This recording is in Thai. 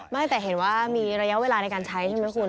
ไม่แต่เห็นว่ามีระยะเวลาในการใช้ใช่ไหมคุณ